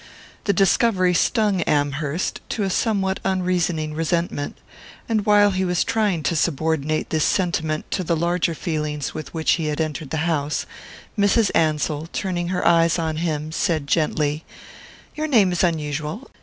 The discovery stung Amherst to a somewhat unreasoning resentment; and while he was trying to subordinate this sentiment to the larger feelings with which he had entered the house, Mrs. Ansell, turning her eyes on him, said gently: "Your name is unusual.